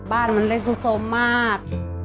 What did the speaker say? บ้านมันเล็กสุดสมมาก